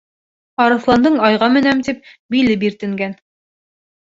Арыҫландың айға менәм тип, биле биртенгән.